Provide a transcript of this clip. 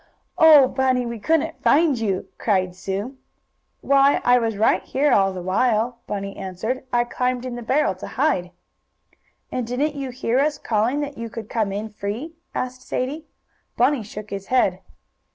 "Oh, Bunny, we couldn't find you!" cried Sue. "Why, I was right here all the while," Bunny answered. "I climbed in the barrel to hide." "And didn't you hear us calling that you could come in free?" asked Sadie. Bunny shook his head.